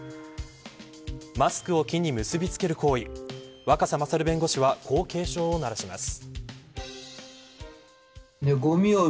マスクを木に結びつける行為若狭勝弁護士はこう警鐘を鳴らします。